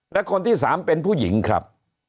และคนที่๓เป็นผู้หญิงครับ